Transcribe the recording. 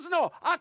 あ！